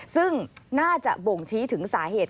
ซึ่งน่าจะบ่งชี้ถึงสาเหตุ